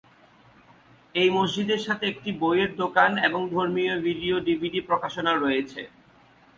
এই মসজিদের সাথে একটি বইয়ের দোকান এবং ধর্মীয় ভিডিও ডিভিডি প্রকাশনা রয়েছে।